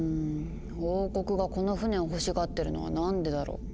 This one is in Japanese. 王国がこの船を欲しがってるのは何でだろう？